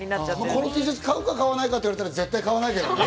このＴシャツ、買うか買わないかって言われたら絶対買わないけどね。